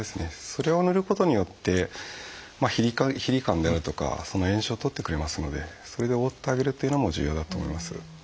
それを塗ることによってヒリヒリ感であるとか炎症を取ってくれますのでそれで覆ってあげるというのも重要だと思います。